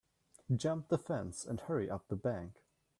Jump the fence and hurry up the bank.